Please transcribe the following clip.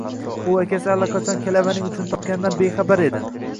U akasi allaqachon kalavaning uchini topganidan bexabar edi